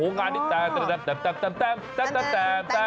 นั่นมันแหละ